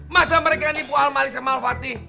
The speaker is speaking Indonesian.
masa mereka nipu almalik sama alfatih